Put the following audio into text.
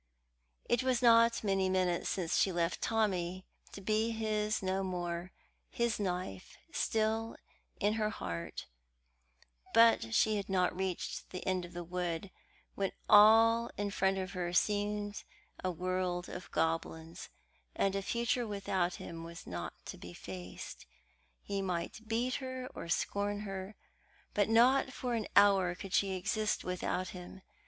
It was not many minutes since she left Tommy, to be his no more, his knife still in her heart; but she had not reached the end of the wood when all in front of her seemed a world of goblins, and a future without him not to be faced. He might beat her or scorn her, but not for an hour could she exist without him.